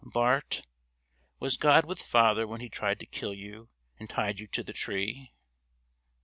"Bart, was God with father when he tried to kill you and tied you to the tree?"